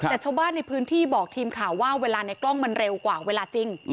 แต่ชาวบ้านในพื้นที่บอกทีมข่าวว่าเวลาในกล้องมันเร็วกว่าเวลาจริง